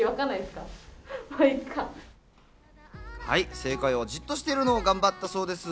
正解はじっとしているのを頑張ったそうです。